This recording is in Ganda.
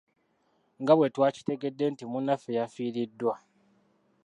Nga bwe twakitegedde nti munaffe yafiiriddwa.